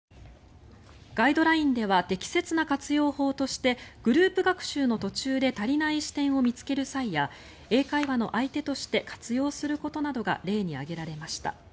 ガイドラインでは適切な活用法としてグループ学習の途中で足りない視点を見つける際や英会話の相手として活用することなどが例に挙げられました。